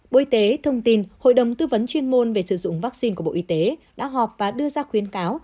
bộ y tế thông tin hội đồng tư vấn chuyên môn về sử dụng vaccine của bộ y tế đã họp và đưa ra khuyến cáo